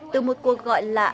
từ một cuộc gọi lạ